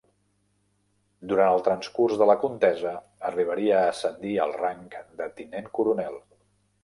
Durant el transcurs de la contesa arribaria a ascendir al rang de tinent coronel.